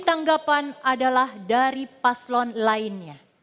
hadath al wa'ad al arafat karam